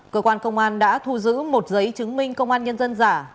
cơ quan công an đã thu giữ một giấy chứng minh công an nhân dân giả